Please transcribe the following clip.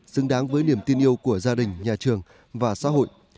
xứng đáng với niềm tin yêu của gia đình nhà trường và xã hội